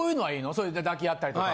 それで抱き合ったりとか。